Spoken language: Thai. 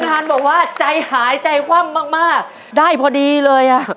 ทานบอกว่าใจหายใจคว่ำมากได้พอดีเลยอ่ะ